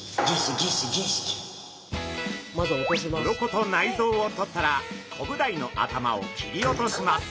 鱗と内臓を取ったらコブダイの頭を切り落とします。